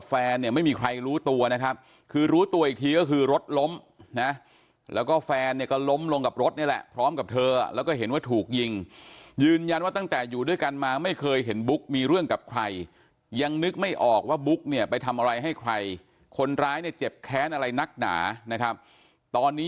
มีใครอยพี่ก็ไม่มีใครอยพี่ก็ไม่มีใครอยพี่ก็ไม่มีใครอยพี่ก็ไม่มีใครอยพี่ก็ไม่มีใครอยพี่ก็ไม่มีใครอยพี่ก็ไม่มีใครอยพี่ก็ไม่มีใครอยพี่ก็ไม่มีใครอยพี่ก็ไม่มีใครอยพี่ก็ไม่มีใครอยพี่ก็ไม่มีใครอยพี่ก็ไม่มีใครอยพี่ก็ไม่มีใครอยพี่ก็ไม่มีใครอยพี่ก็ไม่มีใครอยพี่ก็ไม่มีใครอยพี่ก็ไม่มีใครอย